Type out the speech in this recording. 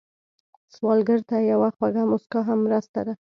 سوالګر ته یوه خوږه مسکا هم مرسته ده